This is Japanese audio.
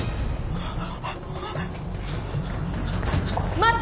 待って。